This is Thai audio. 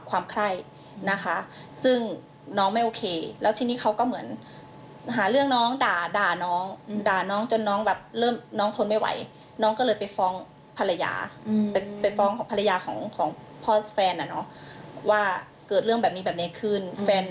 ว่าเกิดเรื่องแบบนี้แบบนี้ขึ้น